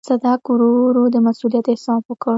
صدک ورو ورو د مسووليت احساس وکړ.